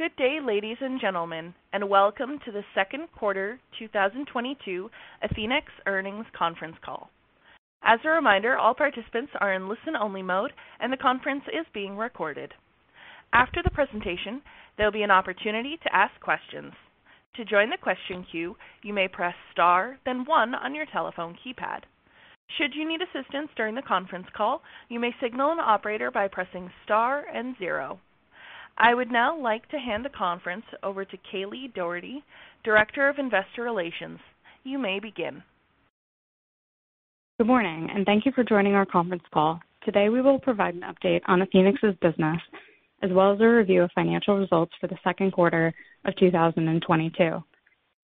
Good day, ladies and gentlemen, and welcome to the Second Quarter 2022 Athenex Earnings Conference Call. As a reminder, all participants are in listen-only mode, and the conference is being recorded. After the presentation, there'll be an opportunity to ask questions. To join the question queue, you may press star, then one on your telephone keypad. Should you need assistance during the conference call, you may signal an operator by pressing star and zero. I would now like to hand the conference over to Caileigh Dougherty, Director of Investor Relations. You may begin. Good morning and thank you for joining our conference call. Today, we will provide an update on Athenex's business as well as a review of Financial Results for the Second Quarter of 2022.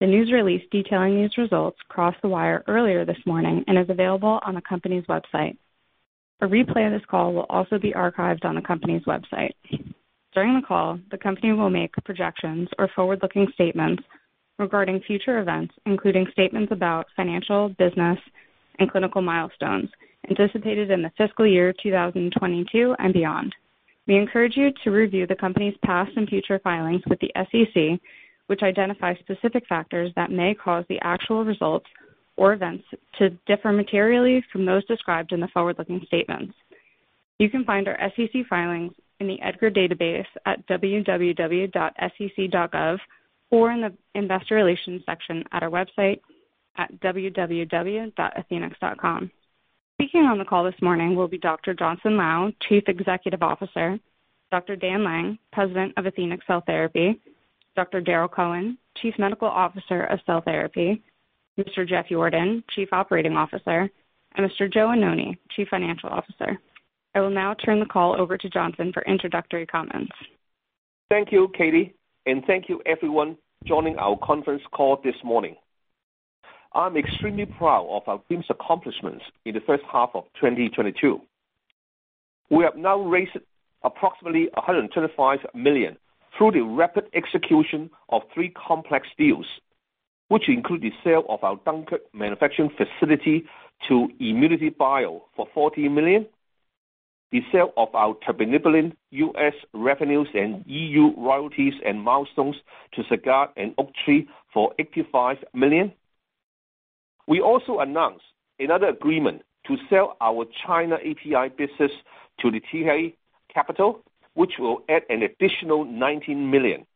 The news release detailing these results crossed the wire earlier this morning and is available on the company's website. A replay of this call will also be archived on the company's website. During the call, the company will make projections or forward-looking statements regarding future events, including statements about financial, business, and clinical milestones anticipated in the fiscal year 2022 and beyond. We encourage you to review the company's past and future filings with the SEC, which identify specific factors that may cause the actual results or events to differ materially from those described in the forward-looking statements. You can find our SEC filings in the EDGAR database at www.sec.gov or in the investor relations section at our website at www.athenex.com. Speaking on the call this morning will be Dr. Johnson Lau, Chief Executive Officer, Dr. Dan Lang, President of Athenex Cell Therapy, Dr. Darrel Cohen, Chief Medical Officer of Cell Therapy, Mr. Jeff Yordon, Chief Operating Officer, and Mr. Joe Annoni, Chief Financial Officer. I will now turn the call over to Johnson for introductory comments. Thank you, Caileigh. Thank you everyone joining our conference call this morning. I'm extremely proud of our team's accomplishments in the first half of 2022. We have now raised approximately $125 million through the rapid execution of three complex deals, which include the sale of our Dunkirk manufacturing facility to ImmunityBio for $40 million, the sale of our tirbanibulin US revenues and EU royalties and milestones to Sagard and Oaktree for $85 million. We also announced another agreement to sell our China API business to the TiHe Capital, which will add an additional $19 million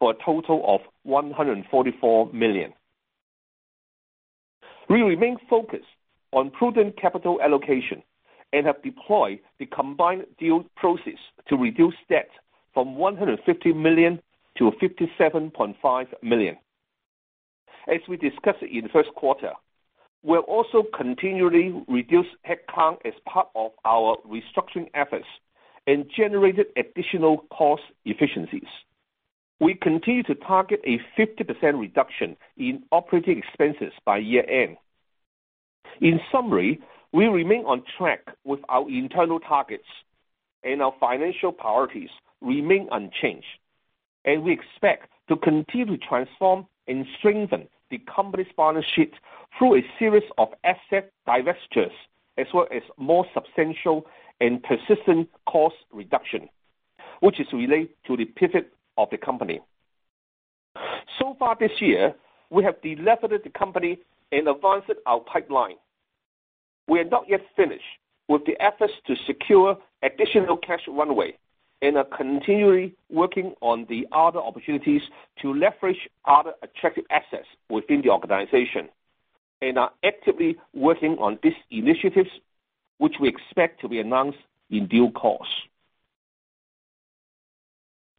for a total of $144 million. We remain focused on prudent capital allocation and have deployed the combined deal proceeds to reduce debt from $150 million to $57.5 million. As we discussed in the first quarter, we're also continually reducing headcount as part of our restructuring efforts and generating additional cost efficiencies. We continue to target a 50% reduction in operating expenses by year-end. In summary, we remain on track with our internal targets and our financial priorities remain unchanged. We expect to continue to transform and strengthen the company's balance sheet through a series of asset divestitures as well as more substantial and persistent cost reduction, which is related to the pivot of the company. So far this year, we have deleveraged the company and advanced our pipeline. We are not yet finished with the efforts to secure additional cash runway and are continually working on the other opportunities to leverage other attractive assets within the organization and are actively working on these initiatives, which we expect to be announced in due course.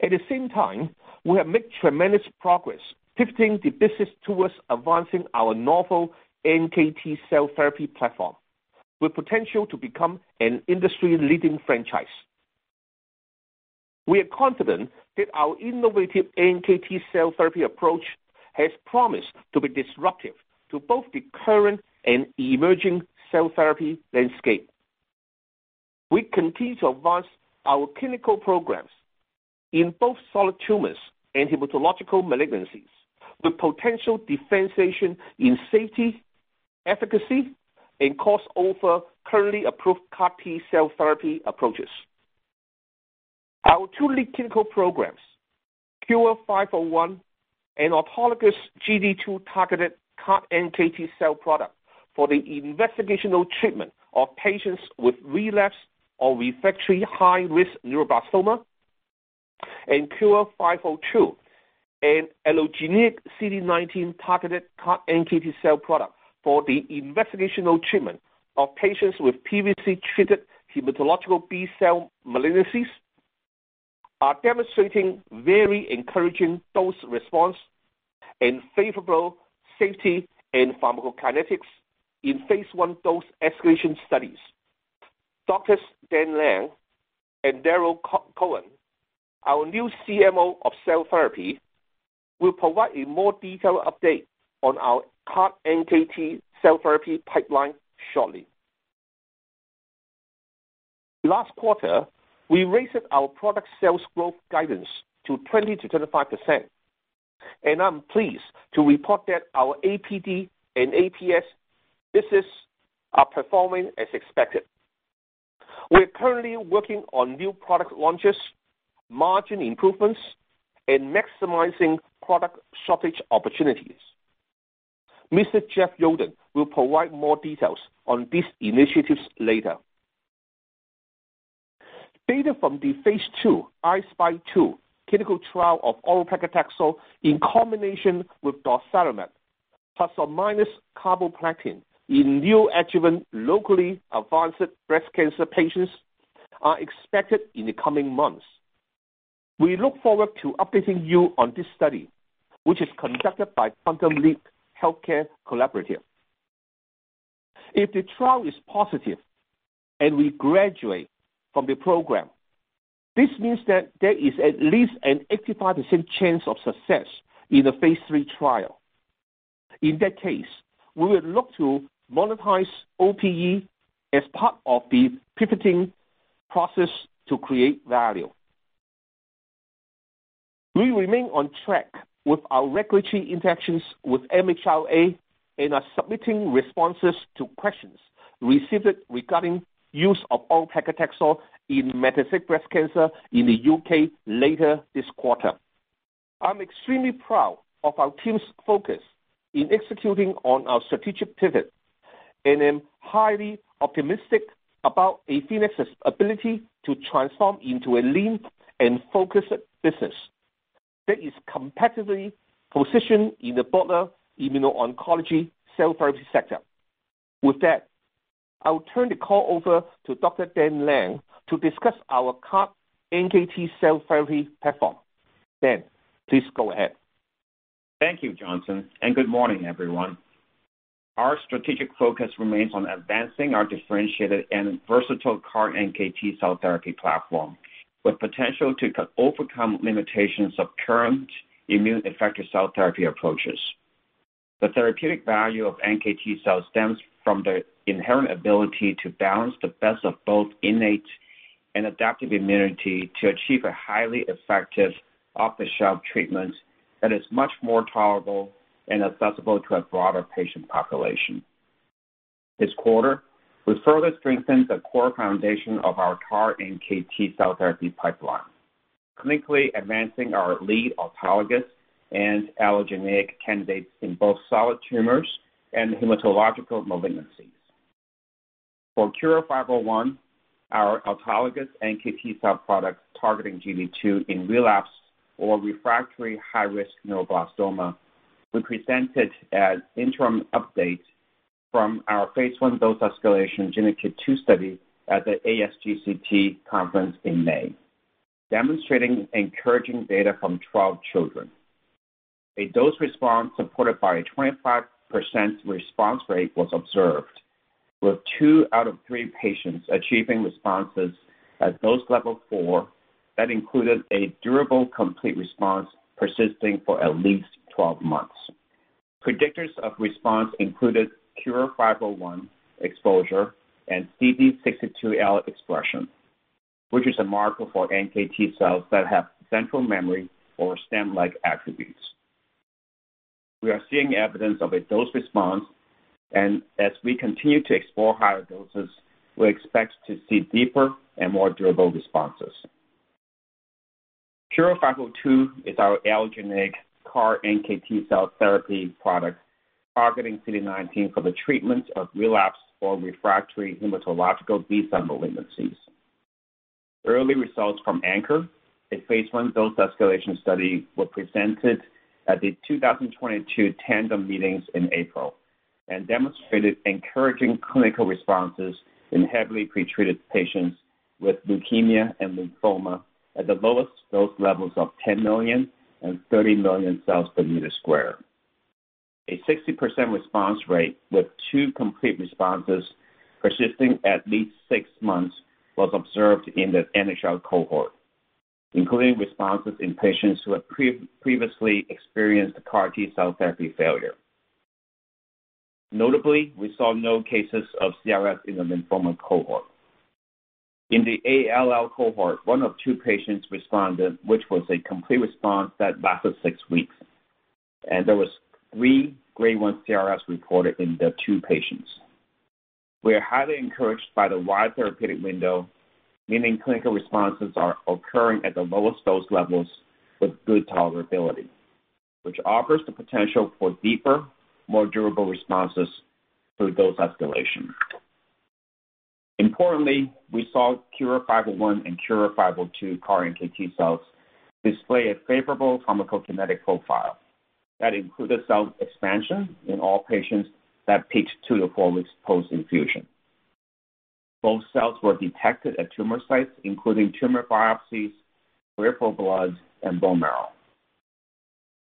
At the same time, we have made tremendous progress pivoting the business towards advancing our novel NKT cell therapy platform with potential to become an industry-leading franchise. We are confident that our innovative NKT cell therapy approach has promised to be disruptive to both the current and emerging cell therapy landscape. We continue to advance our clinical programs in both solid tumors and hematological malignancies with potential differentiation in safety, efficacy, and cost over currently approved CAR T-cell therapy approaches. Our two lead clinical programs, KUR-501, an autologous CD2-targeted CAR NKT cell product for the investigational treatment of patients with relapsed or refractory high-risk neuroblastoma, and KUR-502, an allogeneic CD19-targeted CAR NKT cell product for the investigational treatment of patients with previously treated hematological B-cell malignancies, are demonstrating very encouraging dose response and favorable safety and pharmacokinetics in phase I dose escalation studies. Doctors Dan Lang and Darrel Cohen, our new CMO of cell therapy, will provide a more detailed update on our CAR NKT cell therapy pipeline shortly. Last quarter, we raised our product sales growth guidance to 20%-25%. I'm pleased to report that our APD and APS businesses are performing as expected. We're currently working on new product launches, margin improvements, and maximizing product shortage opportunities. Mr. Jeff Yordon will provide more details on these initiatives later. Data from the phase II I-SPY 2 clinical trial of oral paclitaxel in combination with docetaxel plus or minus carboplatin in neoadjuvant locally advanced breast cancer patients are expected in the coming months. We look forward to updating you on this study, which is conducted by Quantum Leap Healthcare Collaborative. If the trial is positive and we graduate from the program, this means that there is at least an 85% chance of success in the phase III trial. In that case, we will look to monetize OPE as part of the pivoting process to create value. We remain on track with our regulatory interactions with MHRA and are submitting responses to questions received regarding use of oral paclitaxel in metastatic breast cancer in the UK later this quarter. I'm extremely proud of our team's focus in executing on our strategic pivot and am highly optimistic about Athenex's ability to transform into a lean and focused business that is competitively positioned in the broader immuno-oncology cell therapy sector. With that, I will turn the call over to Dr. Dan Lang to discuss our CAR-NKT cell therapy platform. Dan, please go ahead. Thank you, Johnson Lau, and good morning, everyone. Our strategic focus remains on advancing our differentiated and versatile CAR-NKT cell therapy platform with potential to overcome limitations of current immune effector cell therapy approaches. The therapeutic value of NKT cells stems from their inherent ability to balance the best of both innate and adaptive immunity to achieve a highly effective off-the-shelf treatment that is much more tolerable and accessible to a broader patient population. This quarter, we further strengthened the core foundation of our CAR-NKT cell therapy pipeline, clinically advancing our lead autologous and allogeneic candidates in both solid tumors and hematological malignancies. For KUR-501, our autologous NKT cell product targeting GD2 in relapse or refractory high-risk neuroblastoma, we presented an interim update from our phase I dose-escalation GINAKIT2 study at the ASGCT conference in May, demonstrating encouraging data from 12 children. A dose response supported by a 25% response rate was observed, with two out of three patients achieving responses at dose level four that included a durable complete response persisting for at least 12 months. Predictors of response included KUR-501 exposure and CD62L expression, which is a marker for NKT cells that have central memory or stem-like attributes. We are seeing evidence of a dose response, and as we continue to explore higher doses, we expect to see deeper and more durable responses. KUR-502 is our allogeneic CAR-NKT cell therapy product targeting CD19 for the treatment of relapse or refractory hematological B-cell malignancies. Early results from ANCHOR, a phase I dose-escalation study, were presented at the 2022 Tandem Meetings in April and demonstrated encouraging clinical responses in heavily pretreated patients with leukemia and lymphoma at the lowest dose levels of 10 million and 30 million cells per square meter. A 60% response rate with 2 complete responses persisting at least 6 months was observed in the NHL cohort, including responses in patients who had previously experienced CAR T-cell therapy failure. Notably, we saw no cases of CRS in the lymphoma cohort. In the ALL cohort, 1 of 2 patients responded, which was a complete response that lasted 6 weeks, and there was 3 grade 1 CRS reported in the 2 patients. We are highly encouraged by the wide therapeutic window, meaning clinical responses are occurring at the lowest dose levels with good tolerability, which offers the potential for deeper, more durable responses through dose escalation. Importantly, we saw KUR-501 and KUR-502 CAR-NKT cells display a favorable pharmacokinetic profile that included cell expansion in all patients that peaked 2-4 weeks post-infusion. Both cells were detected at tumor sites, including tumor biopsies, peripheral blood, and bone marrow.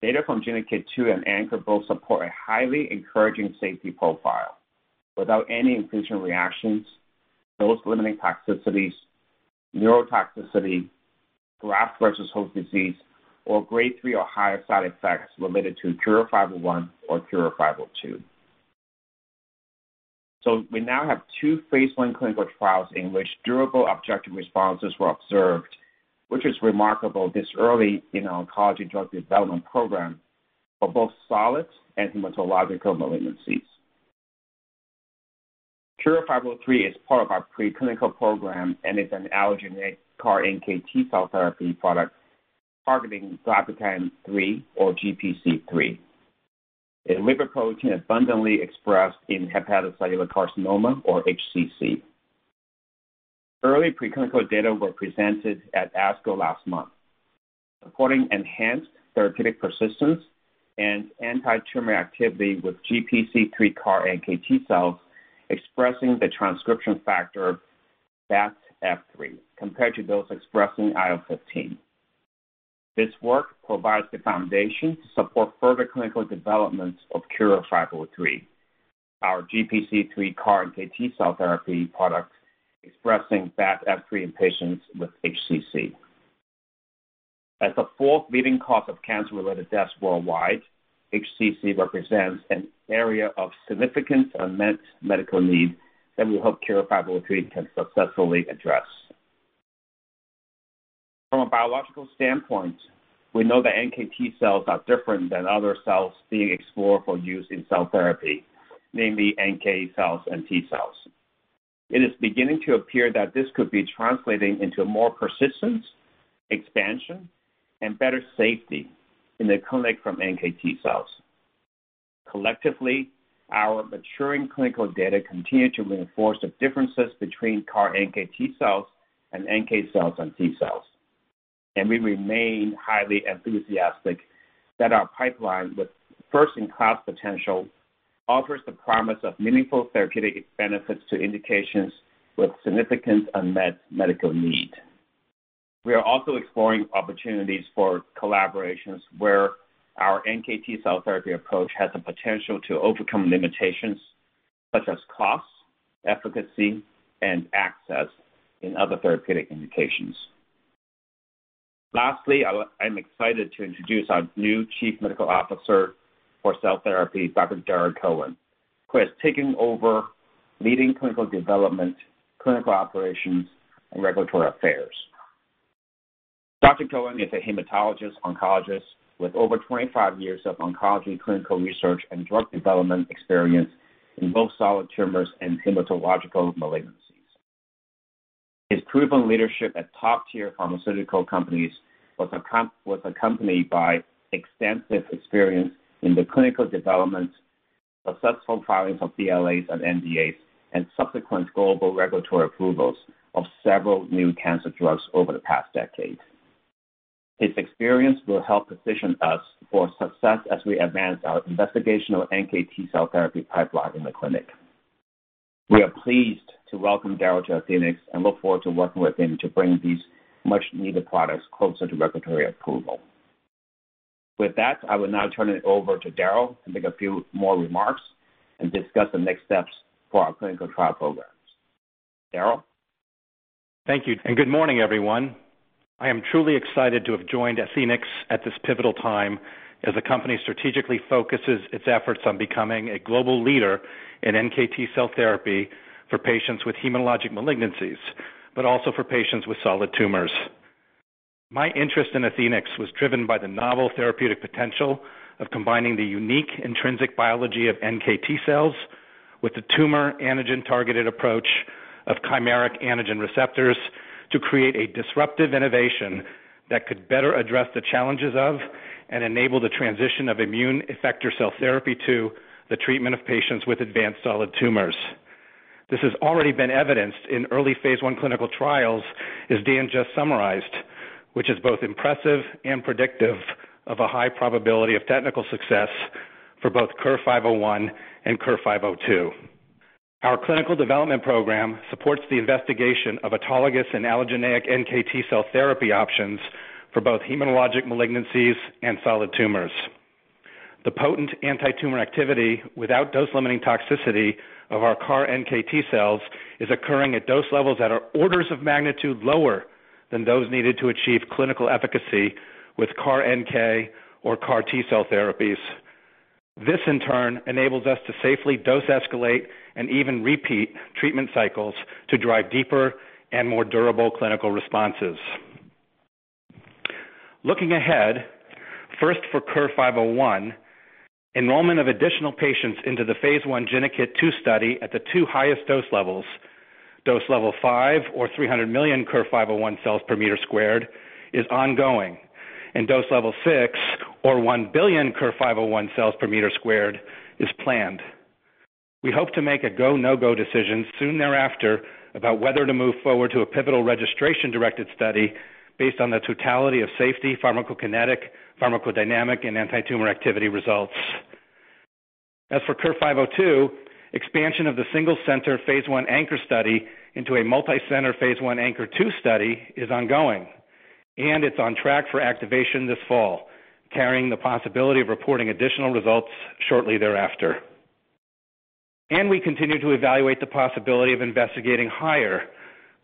Data from GINAKIT2 and ANCHOR both support a highly encouraging safety profile without any infusion reactions, dose-limiting toxicities, neurotoxicity, graft versus host disease, or grade 3 or higher side effects related to KUR-501 or KUR-502. We now have 2 phase I clinical trials in which durable objective responses were observed, which is remarkable this early in our oncology drug development program for both solid and hematological malignancies. KUR-503 is part of our preclinical program and is an allogeneic CAR-NKT cell therapy product targeting glypican-3 or GPC3, a lipid protein abundantly expressed in hepatocellular carcinoma or HCC. Early preclinical data were presented at ASCO last month, reporting enhanced therapeutic persistence and antitumor activity with GPC-3 CAR-NKT cells expressing the transcription factor BATF3 compared to those expressing IL-15. This work provides the foundation to support further clinical developments of KUR-503, our GPC-3 CAR-NKT cell therapy product expressing BATF3 in patients with HCC. As the fourth leading cause of cancer-related deaths worldwide, HCC represents an area of significant unmet medical need that we hope KUR-503 can successfully address. From a biological standpoint, we know that NKT cells are different than other cells being explored for use in cell therapy, namely NK cells and T cells. It is beginning to appear that this could be translating into more persistence, expansion, and better safety in the clinic from NKT cells. Collectively, our maturing clinical data continue to reinforce the differences between CAR-NKT cells and NK cells and T cells. We remain highly enthusiastic that our pipeline with first-in-class potential offers the promise of meaningful therapeutic benefits to indications with significant unmet medical need. We are also exploring opportunities for collaborations where our NKT cell therapy approach has the potential to overcome limitations such as cost, efficacy, and access in other therapeutic indications. Lastly, I'm excited to introduce our new Chief Medical Officer for cell therapy, Dr. Darrel Cohen, who is taking over leading clinical development, clinical operations, and regulatory affairs. Cohen is a hematologist oncologist with over 25 years of oncology clinical research and drug development experience in both solid tumors and hematological malignancies. His proven leadership at top-tier pharmaceutical companies was accompanied by extensive experience in the clinical development, successful filings of BLAs and NDAs, and subsequent global regulatory approvals of several new cancer drugs over the past decade. His experience will help position us for success as we advance our investigational NKT cell therapy pipeline in the clinic. We are pleased to welcome Darrel to Athenex and look forward to working with him to bring these much-needed products closer to regulatory approval. With that, I will now turn it over to Darrel to make a few more remarks and discuss the next steps for our clinical trial programs. Darrel? Thank you, and good morning, everyone. I am truly excited to have joined Athenex at this pivotal time as the company strategically focuses its efforts on becoming a global leader in NKT cell therapy for patients with hematologic malignancies, but also for patients with solid tumors. My interest in Athenex was driven by the novel therapeutic potential of combining the unique intrinsic biology of NKT cells with the tumor antigen-targeted approach of chimeric antigen receptors to create a disruptive innovation that could better address the challenges of and enable the transition of immune effector cell therapy to the treatment of patients with advanced solid tumors. This has already been evidenced in early phase I clinical trials, as Dan just summarized, which is both impressive and predictive of a high probability of technical success for both KUR-501 and KUR-502. Our clinical development program supports the investigation of autologous and allogeneic NKT cell therapy options for both hematologic malignancies and solid tumors. The potent antitumor activity without dose-limiting toxicity of our CAR-NKT cells is occurring at dose levels that are orders of magnitude lower than those needed to achieve clinical efficacy with CAR-NK or CAR T-cell therapies. This, in turn, enables us to safely dose escalate and even repeat treatment cycles to drive deeper and more durable clinical responses. Looking ahead, first for KUR-501, enrollment of additional patients into the phase I GINAKIT2 study at the two highest dose levels, dose level 5 or 300 million KUR-501 cells per meter squared, is ongoing, and dose level 6 or 1 billion KUR-501 cells per meter squared is planned. We hope to make a go, no-go decision soon thereafter about whether to move forward to a pivotal registration-directed study based on the totality of safety, pharmacokinetic, pharmacodynamic, and antitumor activity results. As for KUR-502, expansion of the single center phase I ANCHOR study into a multicenter phase I ANCHOR-2 study is ongoing, and it's on track for activation this fall, carrying the possibility of reporting additional results shortly thereafter. We continue to evaluate the possibility of investigating higher,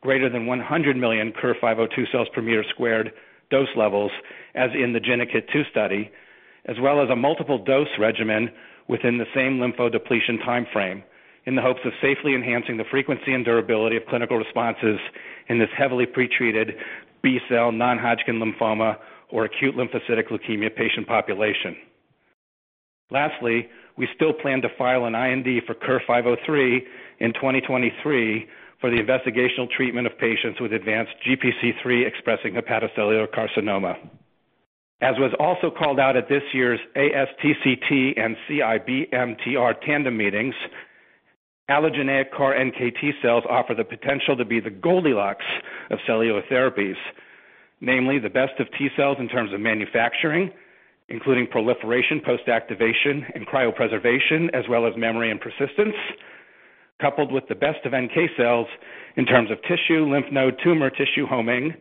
greater than 100 million KUR-502 cells per meter squared dose levels as in the GINAKIT2 study, as well as a multiple dose regimen within the same lymphodepletion time frame in the hopes of safely enhancing the frequency and durability of clinical responses in this heavily pretreated B-cell non-Hodgkin lymphoma or acute lymphocytic leukemia patient population. Lastly, we still plan to file an IND for KUR-503 in 2023 for the investigational treatment of patients with advanced GPC3-expressing hepatocellular carcinoma. As was also called out at this year's ASTCT and CIBMTR tandem meetings, allogeneic CAR NK T-cells offer the potential to be the Goldilocks of cellular therapies, namely the best of T-cells in terms of manufacturing, including proliferation, post-activation, and cryopreservation, as well as memory and persistence, coupled with the best of NK cells in terms of tissue, lymph node, tumor tissue homing,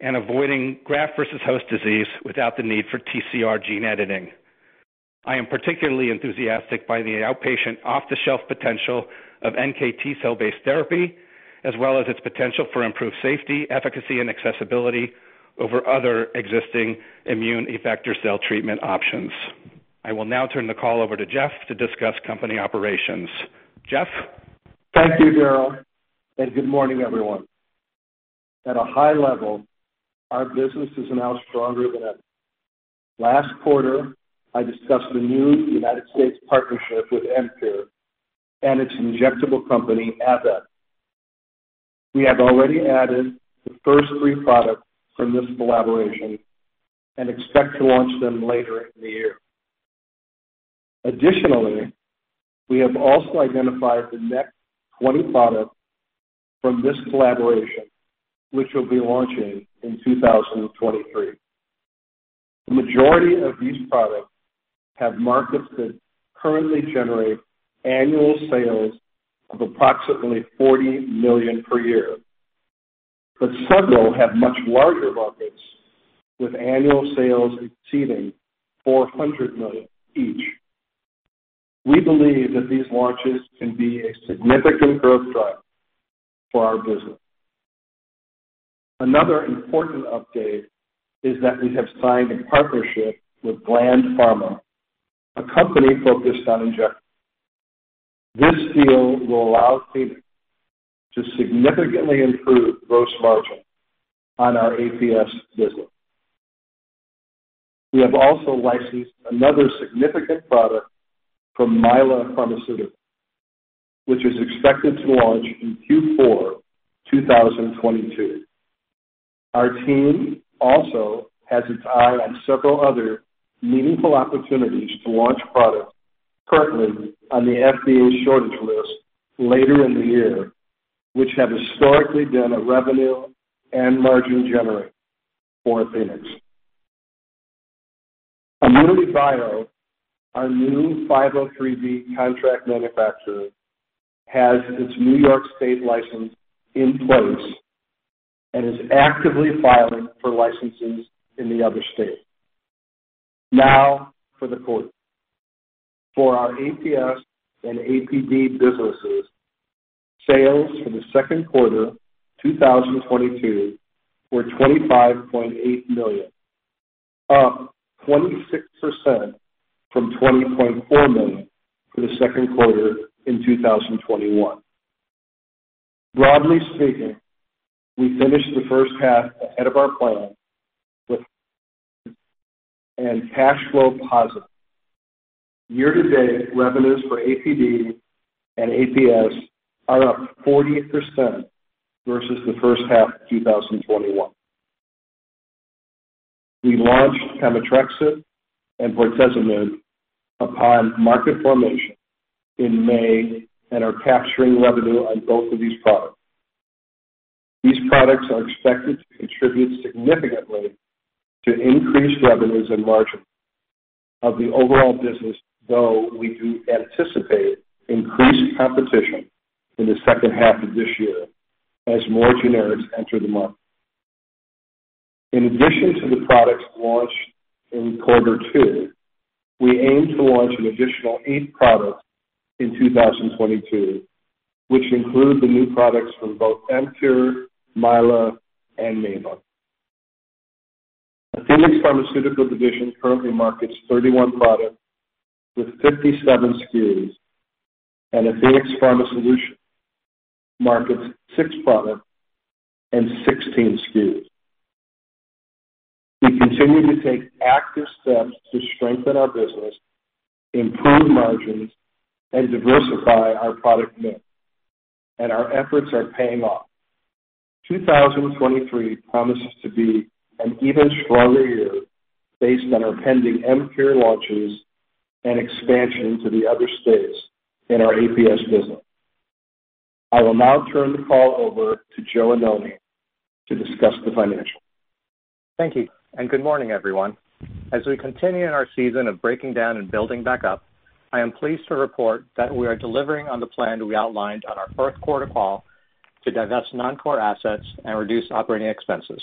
and avoiding graft versus host disease without the need for TCR gene editing. I am particularly enthusiastic by the outpatient off-the-shelf potential of NKT cell-based therapy as well as its potential for improved safety, efficacy, and accessibility over other existing immune effector cell treatment options. I will now turn the call over to Jeff to discuss company operations. Jeff? Thank you, Darrel, and good morning, everyone. At a high level, our business is now stronger than ever. Last quarter, I discussed the new United States partnership with Emcure and its injectable company, Adalvo. We have already added the first 3 products from this collaboration and expect to launch them later in the year. Additionally, we have also identified the next 20 products from this collaboration, which will be launching in 2023. The majority of these products have markets that currently generate annual sales of approximately $40 million per year, but several have much larger markets with annual sales exceeding $400 million each. We believe that these launches can be a significant growth driver for our business. Another important update is that we have signed a partnership with Gland Pharma, a company focused on injection. This deal will allow Athenex to significantly improve gross margin on our APS business. We have also licensed another significant product from Mylan Pharmaceutical, which is expected to launch in Q4, 2022. Our team also has its eye on several other meaningful opportunities to launch products currently on the FDA shortage list later in the year, which have historically been a revenue and margin generator for Athenex. ImmunityBio, our new 503B contract manufacturer, has its New York State license in place and is actively filing for licenses in the other states. Now for the quarter. For our APS and APD businesses, sales for the second quarter 2022 were $25.8 million, up 26% from $20.4 million for the second quarter in 2021. Broadly speaking, we finished the first half ahead of our plan with positive cash flow. Year-to-date revenues for APD and APS are up 40% versus the first half of 2021. We launched Pemetrexed and Bortezomib upon market formation in May and are capturing revenue on both of these products. These products are expected to contribute significantly to increased revenues and margins of the overall business, though we do anticipate increased competition in the second half of this year as more generics enter the market. In addition to the products launched in quarter two, we aim to launch an additional 8 products in 2022, which include the new products from both Emcure, Mylan, and Mylo. The Athenex Pharmaceutical Division currently markets 31 products with 57 SKUs, and Athenex Pharma Solutions markets 6 products and 16 SKUs. We continue to take active steps to strengthen our business, improve margins, and diversify our product mix, and our efforts are paying off. 2023 promises to be an even stronger year based on our pending Emcure launches and expansion to the other states in our APS business. I will now turn the call over to Joe Annoni to discuss the financials. Thank you, and good morning, everyone. As we continue in our season of breaking down and building back up, I am pleased to report that we are delivering on the plan we outlined on our first quarter call to divest non-core assets and reduce operating expenses.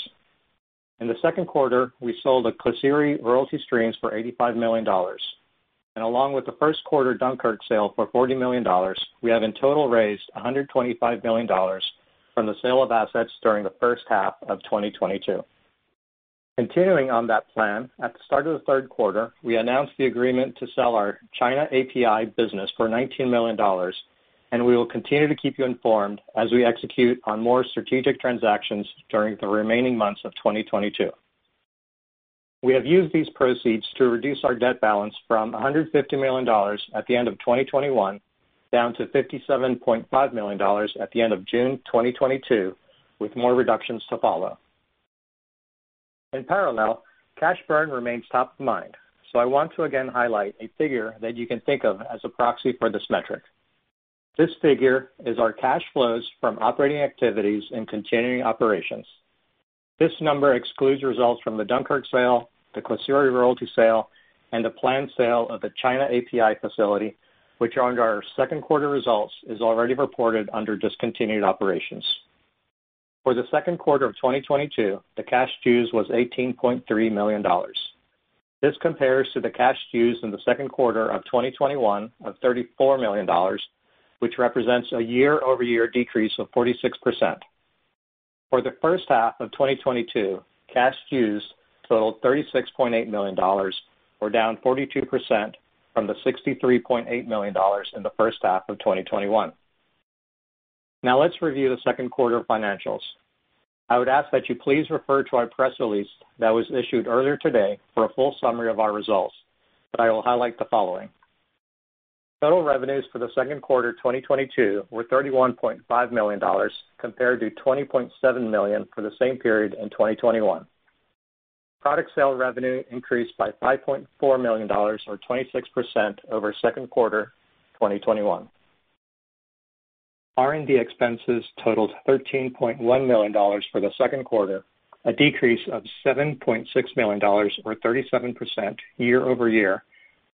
In the second quarter, we sold the Klisyri royalty streams for $85 million. Along with the first quarter Dunkirk sale for $40 million, we have in total raised $125 million from the sale of assets during the first half of 2022. Continuing on that plan, at the start of the third quarter, we announced the agreement to sell our China API business for $19 million, and we will continue to keep you informed as we execute on more strategic transactions during the remaining months of 2022. We have used these proceeds to reduce our debt balance from $150 million at the end of 2021 down to $57.5 million at the end of June 2022, with more reductions to follow. In parallel, cash burn remains top of mind, so I want to again highlight a figure that you can think of as a proxy for this metric. This figure is our cash flows from operating activities in continuing operations. This number excludes results from the Dunkirk sale, the Klisyri royalty sale, and the planned sale of the China API facility, which under our second quarter results is already reported under discontinued operations. For the second quarter of 2022, the cash used was $18.3 million. This compares to the cash used in the second quarter of 2021 of $34 million, which represents a year-over-year decrease of 46%. For the first half of 2022, cash used totaled $36.8 million, or down 42% from the $63.8 million in the first half of 2021. Now let's review the second quarter financials. I would ask that you please refer to our press release that was issued earlier today for a full summary of our results, but I will highlight the following. Total revenues for the second quarter 2022 were $31.5 million compared to $20.7 million for the same period in 2021. Product sales revenue increased by $5.4 million or 26% over second quarter 2021. R&D expenses totaled $13.1 million for the second quarter 2022, a decrease of $7.6 million or 37% year-over-year,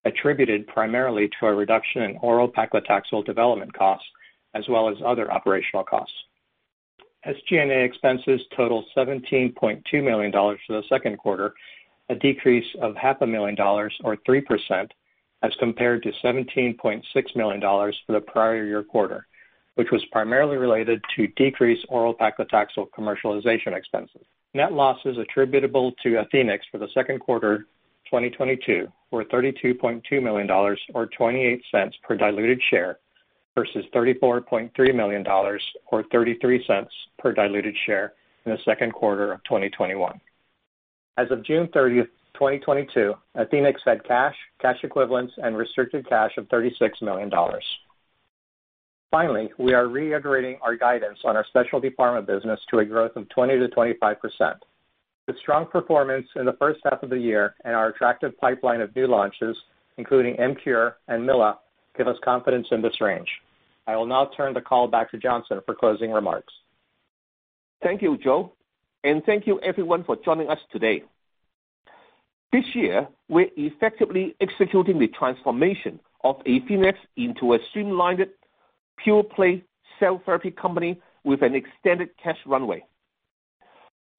attributed primarily to a reduction in Oral Paclitaxel development costs as well as other operational costs. SG&A expenses totaled $17.2 million for the second quarter, a decrease of half a million dollars or 3% as compared to $17.6 million for the prior year quarter, which was primarily related to decreased Oral Paclitaxel commercialization expenses. Net losses attributable to Athenex for the second quarter 2022 were $32.2 million or $0.28 per diluted share versus $34.3 million or $0.33 per diluted share in the second quarter of 2021. As of June 30, 2022, Athenex had cash equivalents, and restricted cash of $36 million. Finally, we are reiterating our guidance on our specialty pharma business to a growth of 20%-25%. The strong performance in the first half of the year and our attractive pipeline of new launches, including Emcure and Mylan, give us confidence in this range. I will now turn the call back to Johnson for closing remarks. Thank you, Joe, and thank you everyone for joining us today. This year, we're effectively executing the transformation of Athenex into a streamlined pure-play cell therapy company with an extended cash runway.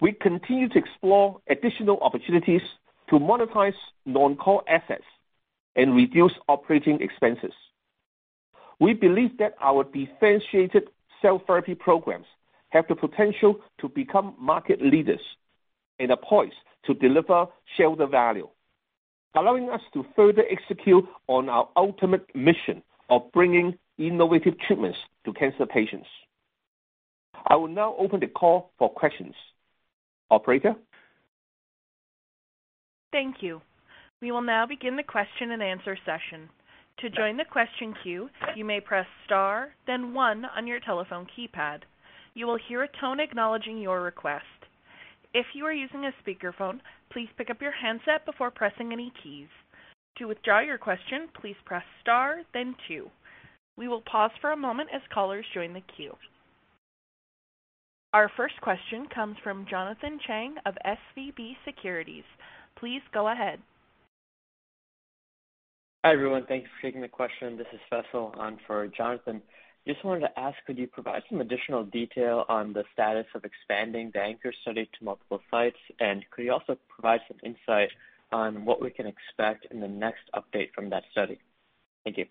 We continue to explore additional opportunities to monetize non-core assets and reduce operating expenses. We believe that our differentiated cell therapy programs have the potential to become market leaders and are poised to deliver shareholder value, allowing us to further execute on our ultimate mission of bringing innovative treatments to cancer patients. I will now open the call for questions. Operator? Thank you. We will now begin the question and answer session. To join the question queue, you may press star then one on your telephone keypad. You will hear a tone acknowledging your request. If you are using a speakerphone, please pick up your handset before pressing any keys. To withdraw your question, please press star then two. We will pause for a moment as callers join the queue. Our first question comes from Jonathan Chang of SVB Securities. Please go ahead. Hi, everyone. Thanks for taking the question. This is Cecil in for Jonathan. Just wanted to ask, could you provide some additional detail on the status of expanding the ANCHOR study to multiple sites? And could you also provide some insight on what we can expect in the next update from that study? Thank you.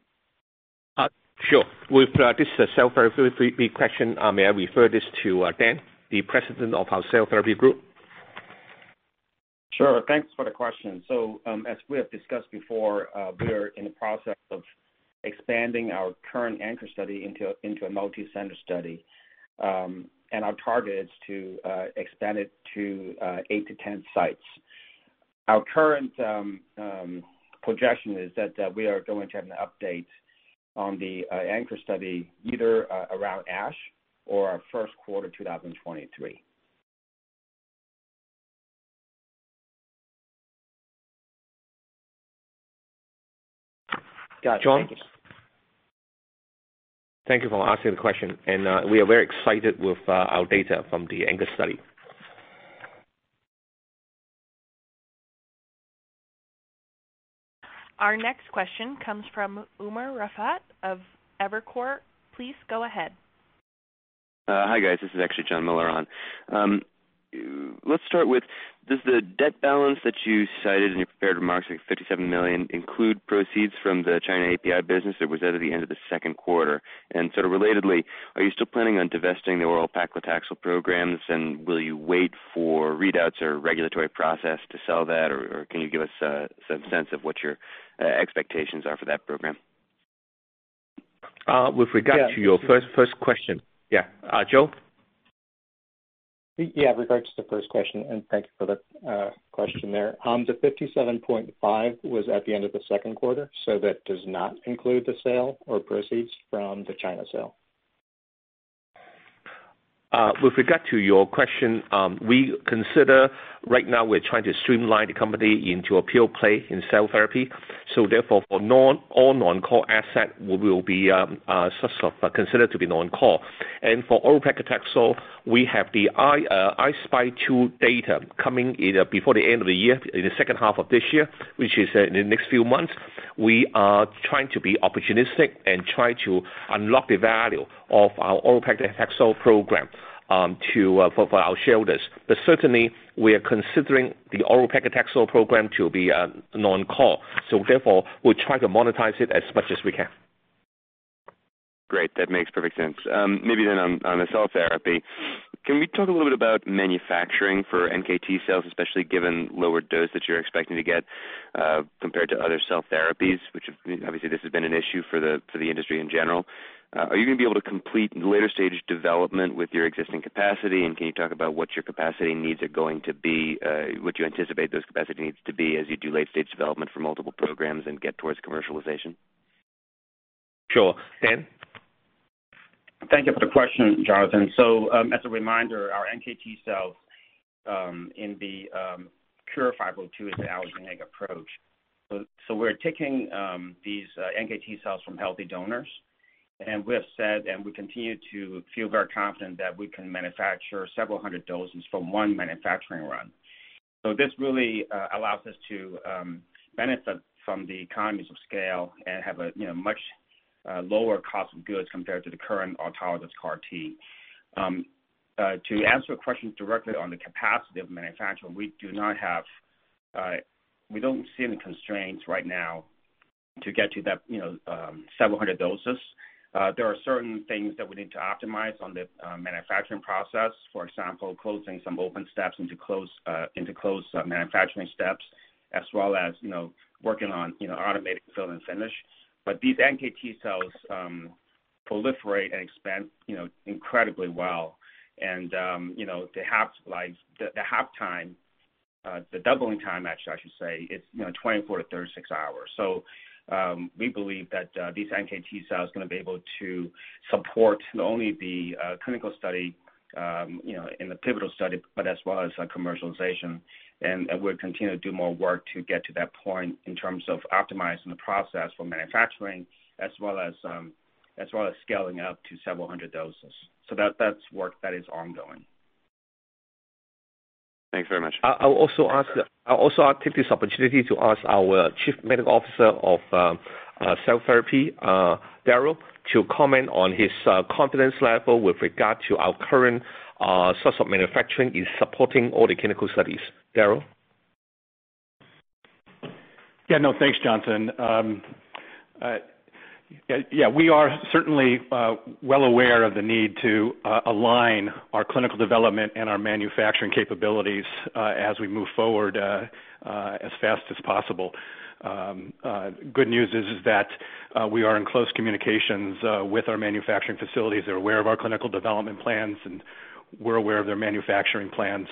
Sure. With this cell therapy question, may I refer this to Dan Lang, the President of our cell therapy group? Sure. Thanks for the question. As we have discussed before, we are in the process of expanding our current ANCHOR study into a multi-center study. Our target is to expand it to 8-10 sites. Our current projection is that we are going to have an update on the ANCHOR study either around ASH or our first quarter, 2023. Got it. Thank you. John? Thank you for asking the question, and we are very excited with our data from the ANCHOR study. Our next question comes from Umer Raffat of Evercore. Please go ahead. Hi guys, this is actually John Miller on. Let's start with does the debt balance that you cited in your prepared remarks, like $57 million, include proceeds from the China API business that was at the end of the second quarter? Sort of relatedly, are you still planning on divesting the oral paclitaxel programs? Will you wait for readouts or regulatory process to sell that? Or can you give us some sense of what your expectations are for that program? With regard to your first question. Yeah. Joe? Yeah, regards to the first question, and thank you for the question there. The $57.5 was at the end of the second quarter. That does not include the sale or proceeds from the China sale. With regard to your question, we consider right now we're trying to streamline the company into a pure play in cell therapy. For all non-core asset, we will be sort of considered to be non-core. For Oral Paclitaxel, we have the I-SPY 2 data coming either before the end of the year, in the second half of this year, which is in the next few months. We are trying to be opportunistic and try to unlock the value of our Oral Paclitaxel program to for our shareholders. Certainly, we are considering the Oral Paclitaxel program to be non-core, so therefore we try to monetize it as much as we can. Great, that makes perfect sense. Maybe then on the cell therapy. Can we talk a little bit about manufacturing for NKT cells, especially given lower dose that you're expecting to get, compared to other cell therapies, which obviously this has been an issue for the industry in general. Are you gonna be able to complete later stage development with your existing capacity? Can you talk about what your capacity needs are going to be? What do you anticipate those capacity needs to be as you do late stage development for multiple programs and get towards commercialization? Sure. Dan? Thank you for the question, Jonathan. As a reminder, our NKT cells in the KUR-502 is the allogeneic approach. We're taking these NKT cells from healthy donors, and we have said, and we continue to feel very confident that we can manufacture several hundred doses from one manufacturing run. This really allows us to benefit from the economies of scale and have a, you know, much lower cost of goods compared to the current autologous CAR T. To answer your question directly on the capacity of manufacturing, we don't see any constraints right now to get to that, you know, several hundred doses. There are certain things that we need to optimize on the manufacturing process. For example, closing some open steps into closed manufacturing steps, as well as, you know, working on, you know, automated fill and finish. These NKT cells proliferate and expand, you know, incredibly well. The doubling time, actually, I should say, is, you know, 24-36 hours. We believe that these NKT cells are gonna be able to support not only the clinical study, you know, in the pivotal study, but as well as, like, commercialization. We'll continue to do more work to get to that point in terms of optimizing the process for manufacturing as well as scaling up to several hundred doses. That's work that is ongoing. Thanks very much. I'll also take this opportunity to ask our Chief Medical Officer of Cell Therapy, Darrel, to comment on his confidence level with regard to our current source of manufacturing in supporting all the clinical studies. Darrel? Yeah, no, thanks, Jonathan. Yeah, we are certainly well aware of the need to align our clinical development and our manufacturing capabilities as we move forward as fast as possible. Good news is that we are in close communications with our manufacturing facilities. They're aware of our clinical development plans, and we're aware of their manufacturing plans.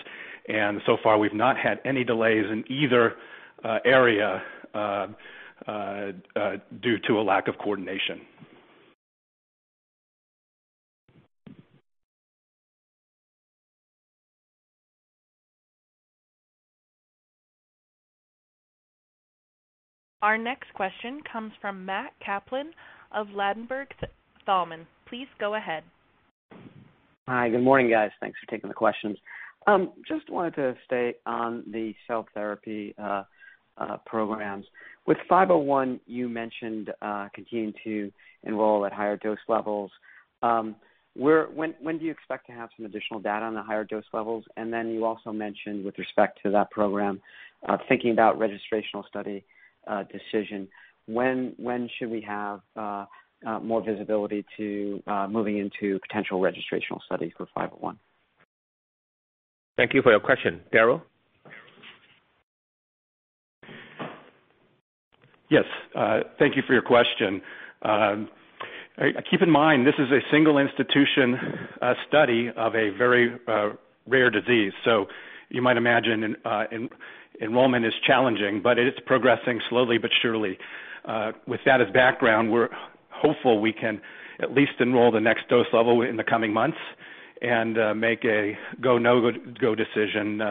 So far, we've not had any delays in either area due to a lack of coordination. Our next question comes from Matthew Kaplan of Ladenburg Thalmann. Please go ahead. Hi. Good morning, guys. Thanks for taking the questions. Just wanted to stay on the cell therapy programs. With 501, you mentioned continuing to enroll at higher dose levels. When do you expect to have some additional data on the higher dose levels? And then you also mentioned with respect to that program thinking about registrational study decision. When should we have more visibility to moving into potential registrational studies for 501? Thank you for your question. Darrel? Yes, thank you for your question. Keep in mind, this is a single institution study of a very rare disease. You might imagine enrollment is challenging, but it is progressing slowly but surely. With that as background, we're hopeful we can at least enroll the next dose level in the coming months and make a go, no go decision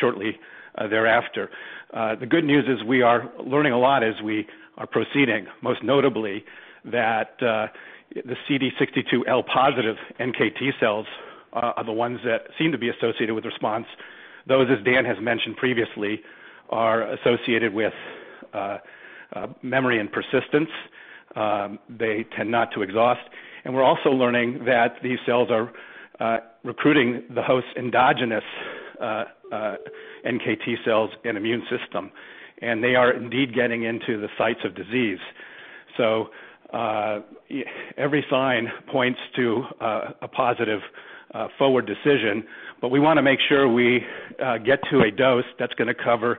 shortly thereafter. The good news is we are learning a lot as we are proceeding, most notably that the CD62L positive NKT cells are the ones that seem to be associated with response. Those, as Dan has mentioned previously, are associated with memory and persistence. They tend not to exhaust. We're also learning that these cells are recruiting the host's endogenous NKT cells and immune system, and they are indeed getting into the sites of disease. Every sign points to a positive forward decision, but we wanna make sure we get to a dose that's gonna cover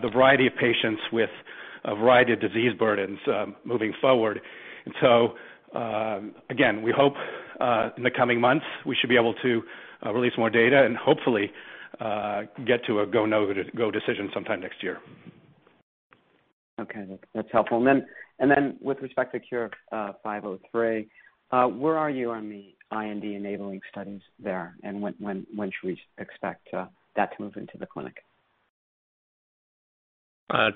the variety of patients with a variety of disease burdens moving forward. Again, we hope in the coming months, we should be able to release more data and hopefully get to a go/no go decision sometime next year. Okay. That's helpful. With respect to KUR-503, where are you on the IND-enabling studies there? When should we expect that to move into the clinic?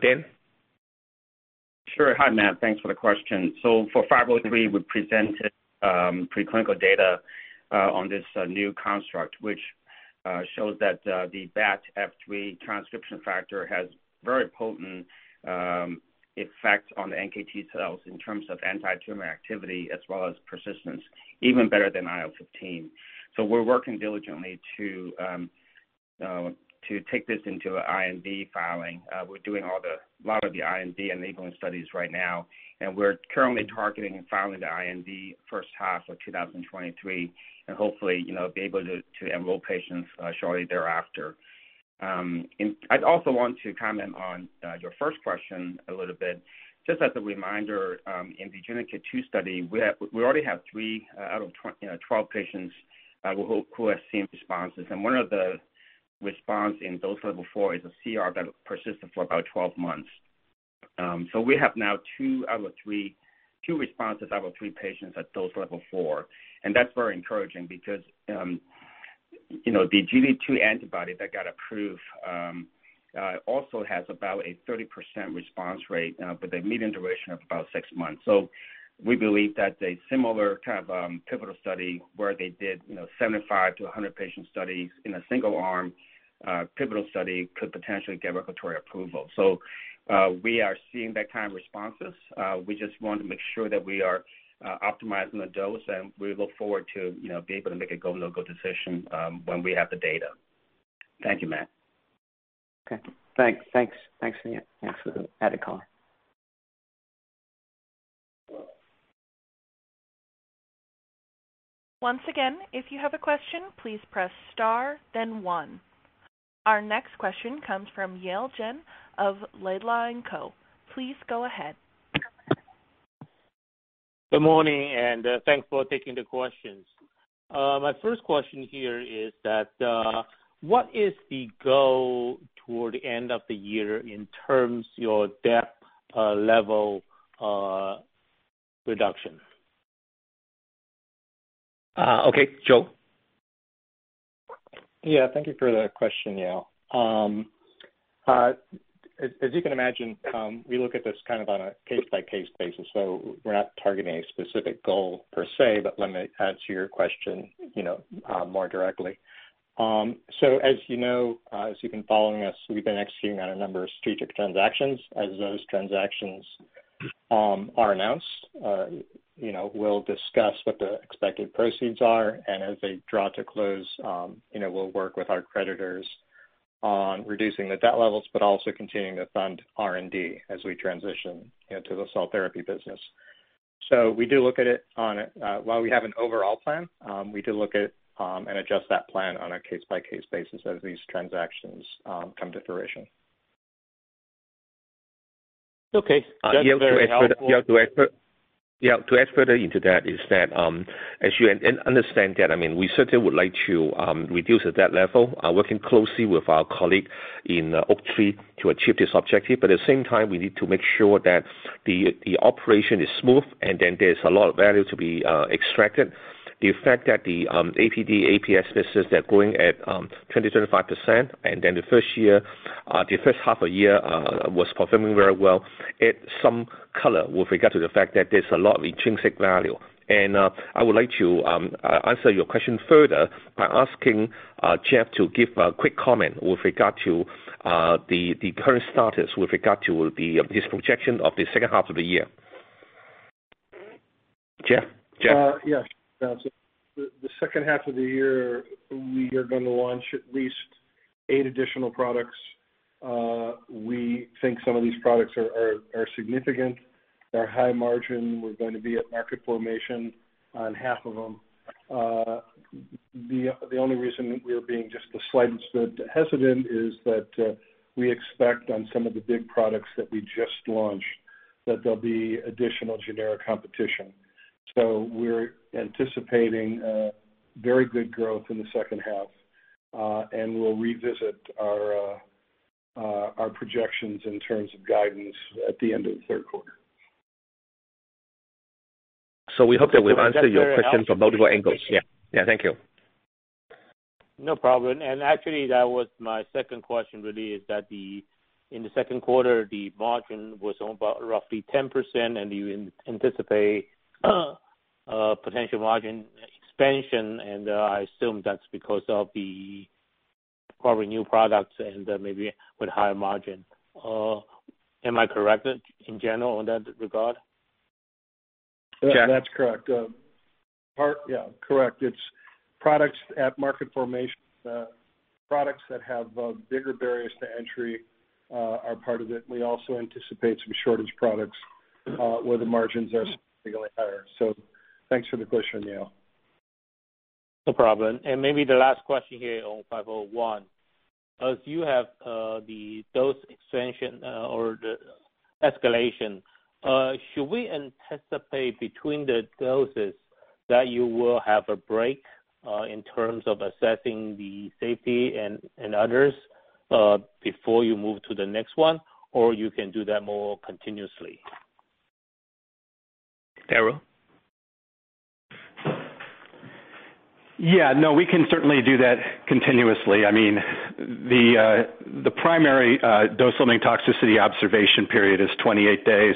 Dan? Sure. Hi, Matt. Thanks for the question. For 503, we presented preclinical data on this new construct, which shows that the BATF3 transcription factor has very potent effects on the NKT cells in terms of antitumor activity as well as persistence, even better than IL-15. We're working diligently to take this into an IND filing. We're doing a lot of the IND-enabling studies right now, and we're currently targeting filing the IND first half of 2023, and hopefully, you know, be able to enroll patients shortly thereafter. I'd also want to comment on your first question a little bit. Just as a reminder, in the GINAKIT2 study, we already have three out of twelve patients who have seen responses. One of the responses in dose level four is a CR that persisted for about twelve months. We have now two responses out of three patients at dose level four, and that's very encouraging because, you know, the GD2 antibody that got approved also has about a 30% response rate, but a median duration of about six months. We believe that a similar kind of pivotal study where they did, you know, 75- to 100-patient studies in a single arm pivotal study could potentially get regulatory approval. We are seeing that kind of responses. We just want to make sure that we are optimizing the dose, and we look forward to, you know, be able to make a go/no go decision, when we have the data. Thank you, Matt. Okay. Thanks for the added color. Once again, if you have a question, please press star then one. Our next question comes from Yale Jen of Laidlaw & Company. Please go ahead. Good morning, and thanks for taking the questions. My first question here is that, what is the goal toward the end of the year in terms of your debt level reduction? Okay, Joe. Yeah. Thank you for the question, Yale. As you can imagine, we look at this kind of on a case-by-case basis, so we're not targeting a specific goal per se, but let me answer your question, you know, more directly. As you know, as you've been following us, we've been executing on a number of strategic transactions. As those transactions are announced, you know, we'll discuss what the expected proceeds are, and as they draw to close, you know, we'll work with our creditors on reducing the debt levels, but also continuing to fund R&D as we transition, you know, to the cell therapy business. We do look at it on a. While we have an overall plan, we do look at and adjust that plan on a case-by-case basis as these transactions come to fruition. Okay. That's very helpful. Yale, to expand on that, as you understand that, I mean, we certainly would like to reduce the debt level, working closely with our colleague in Oaktree to achieve this objective. At the same time, we need to make sure that the operation is smooth, and then there's a lot of value to be extracted. The fact that the APD, APS business, they're growing at 20-25%, and in the first half of the year was performing very well, it's some color with regard to the fact that there's a lot of intrinsic value. I would like to answer your question further by asking Jeff to give a quick comment with regard to the current status with regard to this projection of the second half of the year. Jeff? Yes. The second half of the year, we are gonna launch at least eight additional products. We think some of these products are significant. They're high margin. We're going to be at market formulation on half of them. The only reason we are being just the slightest bit hesitant is that we expect on some of the big products that we just launched that there'll be additional generic competition. We're anticipating very good growth in the second half, and we'll revisit our projections in terms of guidance at the end of the third quarter. We hope that we've answered your question from multiple angles. Yeah. Yeah, thank you. No problem. Actually, that was my second question really, is that the, in the second quarter, the margin was about roughly 10%, and you anticipate potential margin expansion, and I assume that's because of the probably new products and maybe with higher margin. Am I correct in general in that regard? That's correct. Yeah, correct. It's products at market formation. Products that have bigger barriers to entry are part of it. We also anticipate some shortage products where the margins are significantly higher. Thanks for the question, Yale. No problem. Maybe the last question here on 501. As you have the dose expansion or the escalation, should we anticipate between the doses that you will have a break in terms of assessing the safety and others before you move to the next one or you can do that more continuously? Darrel? Yeah. No, we can certainly do that continuously. I mean, the primary dose-limiting toxicity observation period is 28 days.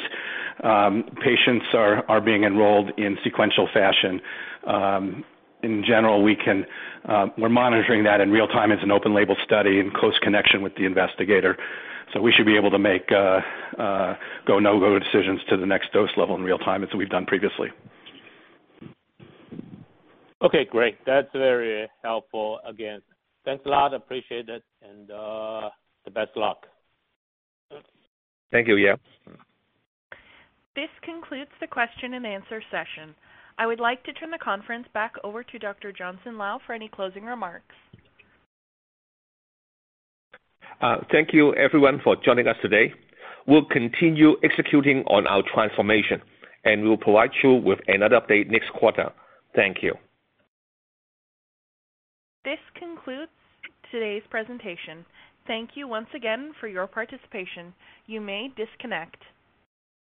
Patients are being enrolled in sequential fashion. In general, we're monitoring that in real time as an open label study in close connection with the investigator. We should be able to make go/no-go decisions to the next dose level in real time, as we've done previously. Okay, great. That's very helpful again. Thanks a lot. Appreciate it. The best luck. Thank you, Yale Jen. This concludes the question-and-answer session. I would like to turn the conference back over to Dr. Johnson Y.N. Lau for any closing remarks. Thank you everyone for joining us today. We'll continue executing on our transformation, and we'll provide you with another update next quarter. Thank you. This concludes today's presentation. Thank you once again for your participation. You may disconnect.